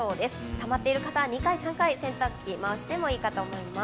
たまっている方、２回、３回洗濯機回してもいいかと思います。